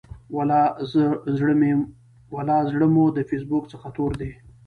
ولا زړه مو د فیسبوک څخه تور دی.